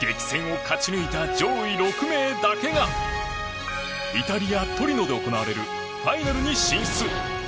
激戦を勝ち抜いた上位６名だけがイタリア・トリノで行われるファイナルに進出。